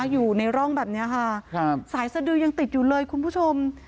อยู่ในร่องแบบนี้ค่ะครับสายสดือยังติดอยู่เลยคุณผู้ชม